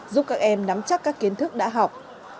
giúp các em nắm chắc các kiến thức đã học